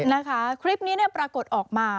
นะคะคลิปนี้เนี่ยปรากฏออกมา